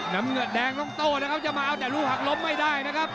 น้ำเงินแดงต้องโต้นะครับจะมาเอาแต่ลูกหักล้มไม่ได้นะครับ